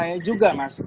dari saya juga mas